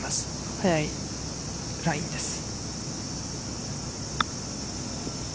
速いラインです。